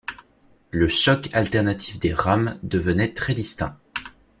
Le choc alternatif des rames devenait très distinct.